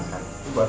sekarang tufa makan